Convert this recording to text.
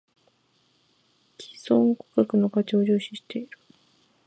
① 既存顧客の価値を重視している